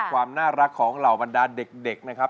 ความน่ารักของเหล่าบรรดาเด็กนะครับ